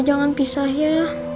jangan pisah ya